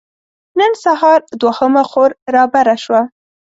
نن سهار دوهمه خور رابره شوه.